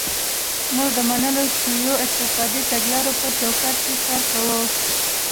موږ د منل شویو اقتصادي تګلارو په چوکاټ کې کار کوو.